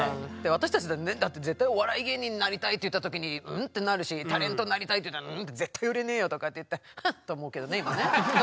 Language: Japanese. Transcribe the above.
私たちだってねだって「絶対お笑い芸人になりたい」って言った時に「ん？」ってなるし「タレントになりたい」って言ったら「ん？絶対売れねよ」とかって言ってフンッて思うけどね今ね。